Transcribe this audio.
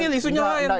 ini isunya lain